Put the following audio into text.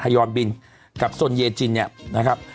ไฮยอลบิลกับสนเยจินนะครับ